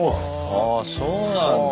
ああそうなんだ。